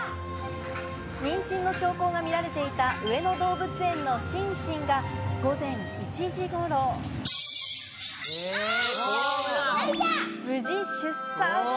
妊娠の兆候が見られていた上野動物園のシンシンが午前１時頃、無事、出産。